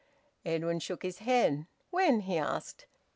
Edwin shook his head. "When?" he asked.